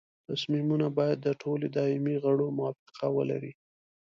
تصمیمونه باید د ټولو دایمي غړو موافقه ولري.